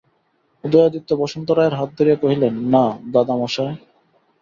উদয়াদিত্য বসন্ত রায়ের হাত ধরিয়া কহিলেন, না, দাদামহাশয়।